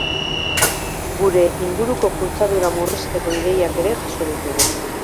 Gure inguruko kutsadura murrizteko ideiak ere jaso ditugu.